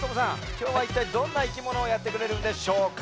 きょうはいったいどんないきものをやってくれるんでしょうか？